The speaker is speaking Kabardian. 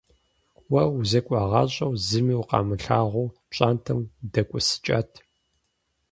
Уэ узекӀуагъащӀэу, зыми укъамылагъуу, пщӀантӀэм удэкӏуэсыкӏат.